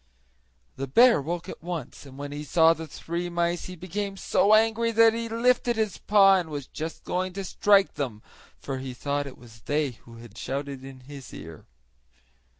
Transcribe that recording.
The bear woke at once, and when he saw the three mice he became so angry that he lifted his paw and was just going to strike them, for he thought it was they who had shouted in his ear.